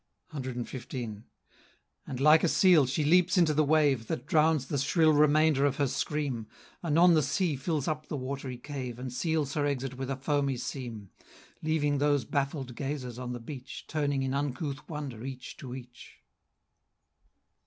CXV. And, like a seal, she leaps into the wave That drowns the shrill remainder of her scream; Anon the sea fills up the watery cave, And seals her exit with a foamy seam, Leaving those baffled gazers on the beach, Turning in uncouth wonder each to each.